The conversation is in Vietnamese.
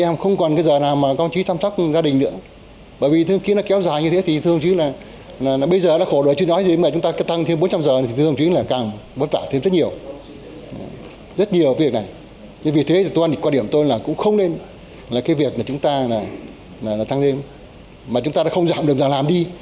mà chúng ta đã không giảm được giảm làm đi